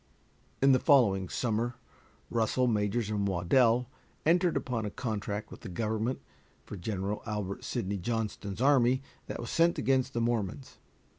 In the following summer, Russell, Majors & Waddell entered upon a contract with the government for General Albert Sidney Johnston's army that was sent against the Mormons.